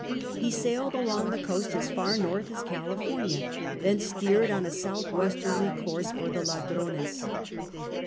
He sailed along the coast as far north as California, thence steered on a south westerly course for the Ladrones.